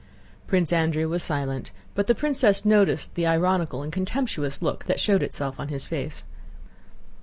Prince Andrew was silent, but the princess noticed the ironical and contemptuous look that showed itself on his face.